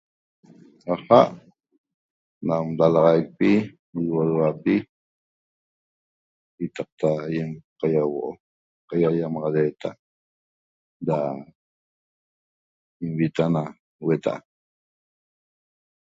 Aja' nam dalaxaqpi qarhuorohuapi yiataqta ayem qaihuoo' qaya da qaihiamagreta da u'nmitaxan na huetaa'